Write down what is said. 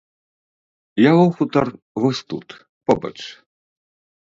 Яго хутар вось тут, побач.